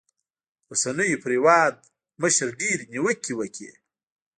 رسنيو پر هېوادمشر ډېرې نیوکې وکړې.